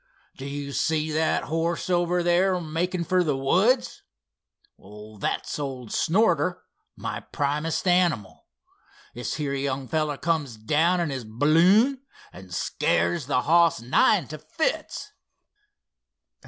"Do you see that horse over there making for the woods? Well, that's old Snorter, my primest animal. This here young fellow comes down in his b'loon and scares the hoss nigh into fits."